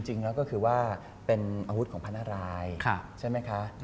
จริงแล้วก็คือว่าเป็นอาวุธของพระนารายใช่ไหมคะ